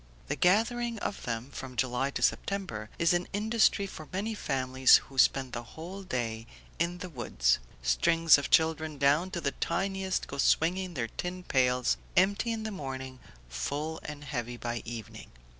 The gathering of them, from July to September, is an industry for many families who spend the whole day in the woods; strings of children down to the tiniest go swinging their tin pails, empty in the morning, full and heavy by evening.